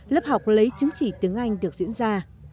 lớp học lấy chứng chỉ tiếng anh được diễn ra